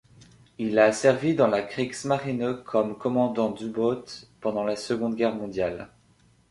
Il a servi dans la Kriegsmarine comme commandant d'U-boot pendant la Seconde Guerre mondiale.